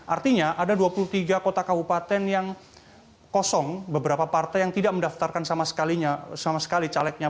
artinya ada dua puluh tiga kota kabupaten yang kosong beberapa partai yang tidak mendaftarkan sama sekali calegnya